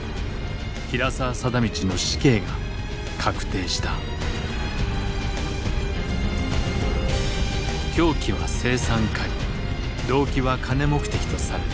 平沢貞通の死刑が確定した凶器は青酸カリ動機は金目的とされた。